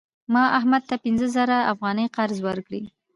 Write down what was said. ما احمد ته پنځه زره افغانۍ قرض ورکړې.